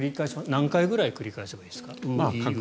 何回ぐらい繰り返せばいいですか？